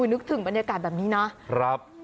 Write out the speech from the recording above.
นึกถึงบรรยากาศแบบนี้นะครับ